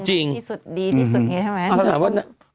ที่สุดดีที่สุดอย่างนี้ใช่ไหม